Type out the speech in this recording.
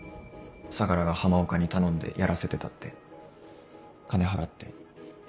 相楽が浜岡に頼んでやらせてたって金払って。